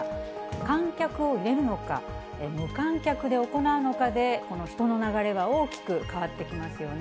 観客を入れるのか、無観客で行うのかで、この人の流れが大きく変わってきますよね。